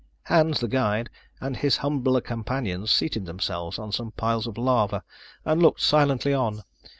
Hans, the guide, and his humbler companions seated themselves on some piles of lava and looked silently on.